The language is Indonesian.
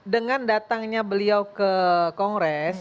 dengan datangnya beliau ke kongres